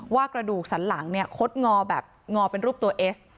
กระดูกสันหลังเนี่ยคดงอแบบงอเป็นรูปตัวเอส